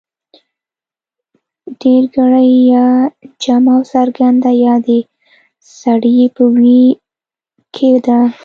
ډېرگړې يا جمع او څرگنده يا د سړي په ویي کې ده